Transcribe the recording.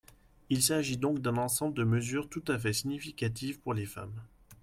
Il s’agit donc d’un ensemble de mesures tout à fait significatives pour les femmes.